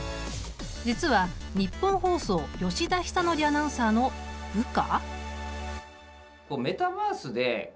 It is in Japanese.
実はニッポン放送吉田尚記アナウンサーの部下？